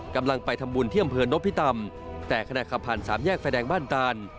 กำลังไปทำบุญที่อำเภอนพิตำแต่ขณะขับผ่านสามแยกไฟแดงบ้านตาน